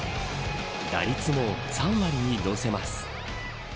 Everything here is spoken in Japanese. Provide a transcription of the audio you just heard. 打率も３割に乗せます。